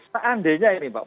seandainya ini mbak